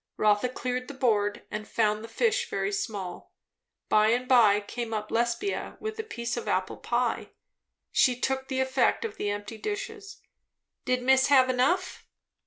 Rotha cleared the board, and found the fish very small. By and by came up Lesbia with a piece of apple pie. She took the effect of the empty dishes. "Did miss have enough?"